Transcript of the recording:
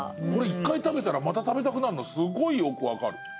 これ一回食べたらまた食べたくなるのすごいよくわかる。